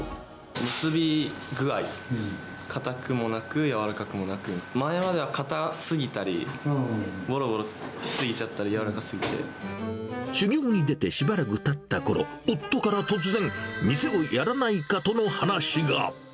むすび具合、かたくもなく、やわらかくもなく、前までは硬すぎたり、ぼろぼろし修業に出てしばらくたったころ、夫から突然、店をやらないかとの話が。